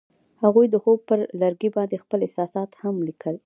هغوی د خوب پر لرګي باندې خپل احساسات هم لیکل.